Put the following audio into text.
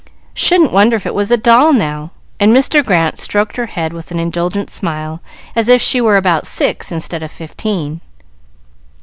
"Shouldn't wonder if it was a doll now;" and Mr. Grant stroked her head with an indulgent smile, as if she was about six instead of fifteen.